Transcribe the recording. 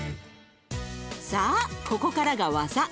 さあここからが技。